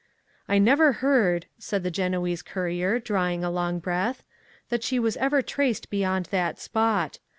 I never heard (said the Genoese courier, drawing a long breath) that she was ever traced beyond that spot.